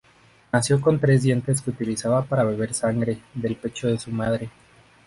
Nació con tres dientes que utilizaba para beber sangre del pecho de su madre.